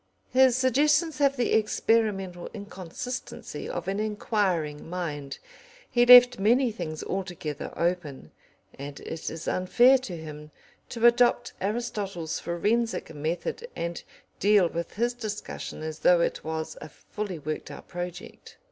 His suggestions have the experimental inconsistency of an enquiring man. He left many things altogether open, and it is unfair to him to adopt Aristotle's forensic method and deal with his discussion as though it was a fully worked out project.